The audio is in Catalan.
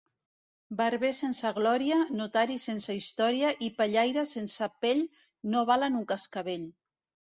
Barber sense glòria, notari sense història i pellaire sense pell no valen un cascavell.